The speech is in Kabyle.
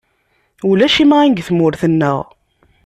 Ulac imɣan deg tmurt-neɣ.